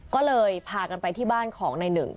ก็เลยพากันไปที่บ้านของในหนึ่ง